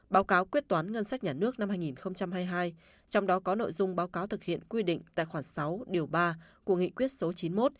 báo cáo quyết toán ngân sách nhà nước năm hai nghìn hai mươi hai trong đó có nội dung báo cáo thực hiện quy định tài khoản sáu điều ba của nghị quyết số chín mươi một